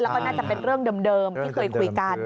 แล้วก็น่าจะเป็นเรื่องเดิมที่เคยคุยกัน